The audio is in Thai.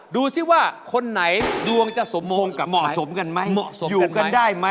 ดูสิว่าคนไหนดวงจะสมภงกับเหมาะสมกันไหม